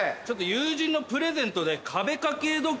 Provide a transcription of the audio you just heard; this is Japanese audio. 友人のプレゼントで。